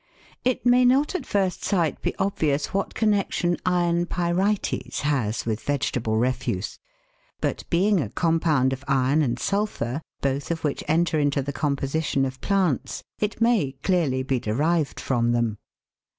It may not at first sight be obvious what connection iron pyrites has with vegetable refuse ; but being a compound of iron and sulphur, both of which enter into the composi . tion of plants, it may clearly be derived from them.